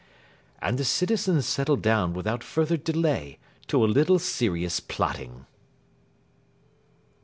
And the citizens settled down without further delay to a little serious plotting.